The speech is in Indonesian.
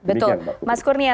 betul mas kurnia